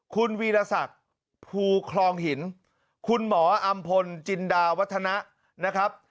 คุณวีรศักดิ์ภูคลองหินคุณหมออำพลจินดาวัฒนะนะครับ